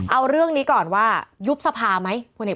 เอารืองนี้ก่อนว่ายุบพระพระสภาพมั้ย